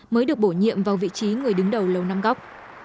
mới được bổ nhiệm vào vị trí người đứng đầu lầu năm góc